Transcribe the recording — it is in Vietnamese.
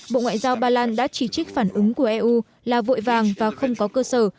bộ ngoại giao ba lan đã chỉ trích phản ứng của eu là vội vàng và không có cơ sở